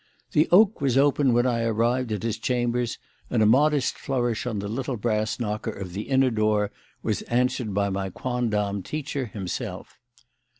The "oak" was open when I arrived at his chambers, and a modest flourish on the little brass knocker of the inner door was answered by my quondam teacher himself.